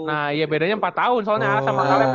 nah iya bedanya empat tahun soalnya a sama kaleb ya